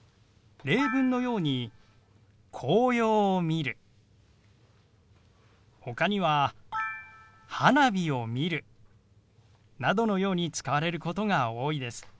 例文のように「紅葉を見る」ほかには「花火を見る」などのように使われることが多いです。